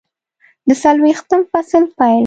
د څلویښتم فصل پیل